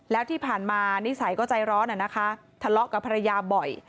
แล้วที่ผ่านมานิสัยก็ใจร้อนนะคะทะเลาะกับภรรยาบ่อย